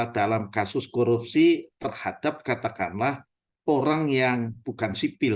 dalam kasus korupsi terhadap katakanlah orang yang bukan sipil